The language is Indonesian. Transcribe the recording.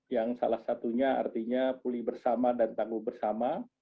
yang salah satunya artinya pulih bersama dan tangguh bersama